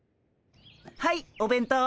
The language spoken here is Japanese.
はいお弁当。